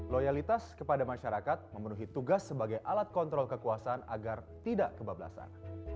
loyalitas kepada masyarakat memenuhi tugas sebagai alat kontrol kekuasaan agar tidak kebablasan